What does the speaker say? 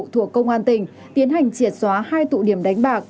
thuộc công an tỉnh tiến hành triệt xóa hai tụ điểm đánh bạc